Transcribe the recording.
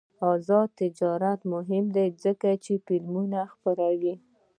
آزاد تجارت مهم دی ځکه چې فلمونه خپروي.